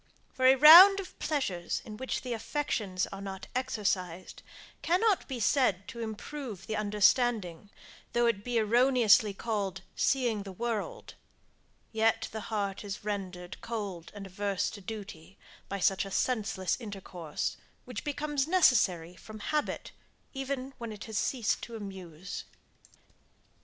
For a round of pleasures in which the affections are not exercised, cannot be said to improve the understanding, though it be erroneously called seeing the world; yet the heart is rendered cold and averse to duty, by such a senseless intercourse, which becomes necessary from habit, even when it has ceased to amuse.